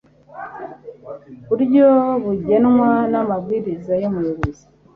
buryo bugenwa n amabwiriza y umuyobozi